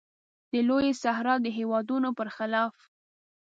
د لویې صحرا د هېوادونو پر خلاف.